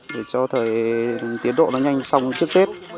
để cho thời tiến độ nó nhanh xong trước tết